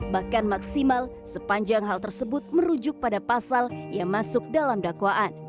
bahkan maksimal sepanjang hal tersebut merujuk pada pasal yang masuk dalam dakwaan